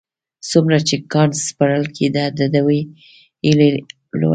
څومره چې کان سپړل کېده د دوی هيلې لوړېدې.